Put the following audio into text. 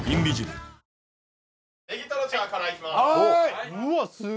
ネギとろチャーからいきます